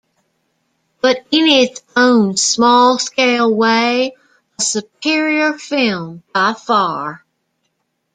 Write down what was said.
But in its own small-scale way a superior film by far.